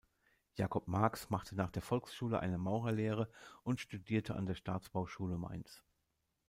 Jacob Marx machte nach der Volksschule eine Maurerlehre und studierte an der Staatsbauschule Mainz.